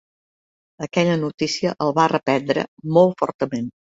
Aquella notícia el va reprendre molt fortament.